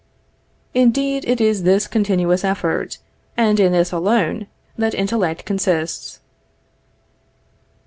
Indeed it is in this continuous effort, and in this alone, that intellect consists.